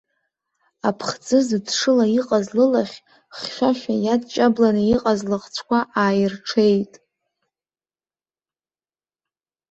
Аԥхӡы зыдшыла иҟаз лылахь хьшәашәа иадҷабланы иҟаз лыхцәқәа ааирҽеит.